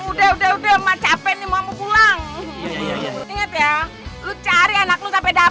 generous gapen mau pulang udah cari anaknya dah